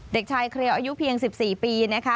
เด็กชายเครียวอายุเพียง๑๔ปีนะคะ